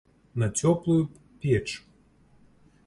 На цёплую б печ.